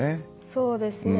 そうですね。